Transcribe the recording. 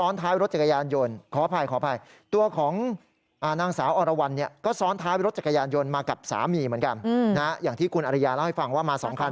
เล่าให้ฟังว่ามา๒คันใช่ไหม